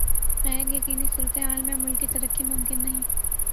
غیر یقینی صورتحال میں ملکی ترقی ممکن نہیں